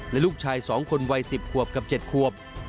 และลูกชาย๒คนวัย๑๐ขวบกับ๗ขวบ